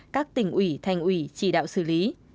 các tỉnh ủy thành ủy chỉ đạo xử lý